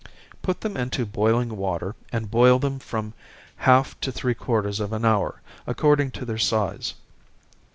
_ Put them into boiling water, and boil them from half to three quarters of an hour, according to their size.